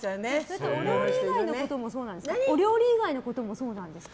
お料理以外のこともそうなんですか？